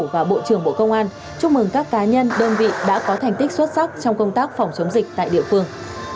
và bộ trưởng bộ công an chúc mừng các cá nhân đơn vị đã có thành tích xuất sắc trong công tác phòng chống dịch tại địa phương